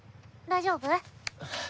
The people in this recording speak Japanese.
大丈夫？